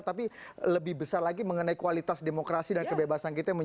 tapi lebih besar lagi mengenai kualitas demokrasi dan kebebasan kita